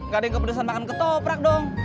gak ada yang kepedesan makan ketoprak dong